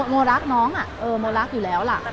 โมรักน้องโมรักอยู่แล้วล่ะ